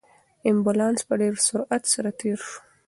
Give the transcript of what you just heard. امبولانس په ډېر سرعت سره تېر شو.